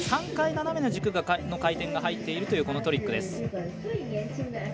３回斜めの軸の回転が入っているというトリックです。